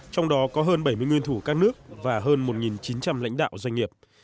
trong đó có hơn bảy mươi nguyên thủ các nước và hơn một chín trăm linh lãnh đạo doanh nghiệp